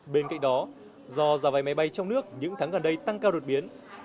bên cạnh đó do giá váy máy bay trong nước những tháng gần đây tăng cao đột biến